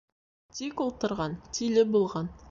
Тик ултырған тиле булған.